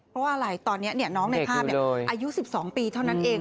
เพราะว่าอะไรตอนนี้น้องในภาพอายุ๑๒ปีเท่านั้นเอง